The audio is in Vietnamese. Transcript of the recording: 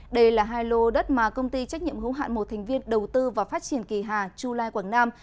đây là hai lô đất mà công ty trách nhiệm hữu hạn một thành viên đầu tư và phát triển kỳ hà chu lai quảng nam